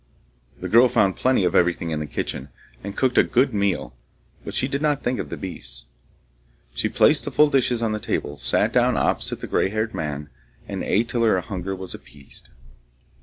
The girl found plenty of everything in the kitchen, and cooked a good meal, but she did not think of the beasts. She placed the full dishes on the table, sat down opposite the gray haired man, and ate till her hunger was appeased.